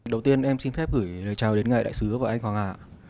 đầu tiên em xin phép gửi lời chào đến ngài đại sứ và anh hoàng hà